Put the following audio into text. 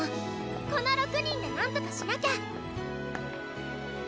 この６人で何とかしなきゃ。